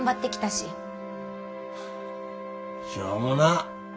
ハッしょうもな！